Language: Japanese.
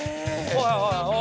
おいおいおい。